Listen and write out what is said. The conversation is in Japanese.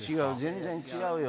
全然違うよ